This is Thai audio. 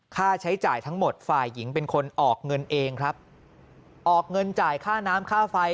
ค่าใช้จ่ายทั้งหมดฝ่ายหญิงเป็นคนออกเงินเองครับออกเงินจ่ายค่าน้ำค่าไฟ